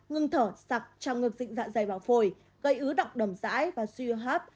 ngừng thở sặc trao ngược dịch dạ dày vào phổi gây ứ động đồng rãi và suy hấp